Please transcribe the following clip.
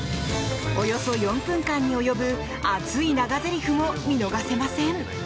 およそ４分間に及ぶ熱い長ゼリフも見逃せません！